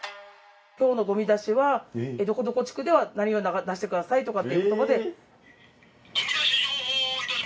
今日のゴミ出しはどこどこ地区では何を出してくださいとかっていうとこで。